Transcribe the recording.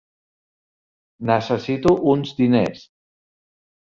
Necessito uns diners.